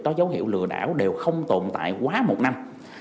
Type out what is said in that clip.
có dấu hiệu lừa đảo đều không tồn tại quá một năm